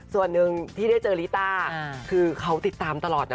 ส่วนหนึ่งที่ได้เจอลิต้าคือเขาติดตามตลอดนะ